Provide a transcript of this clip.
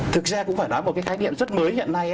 thực ra cũng phải nói một cái khái niệm rất mới hiện nay